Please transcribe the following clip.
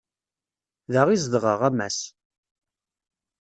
Da i zedɣeɣ, a Mass.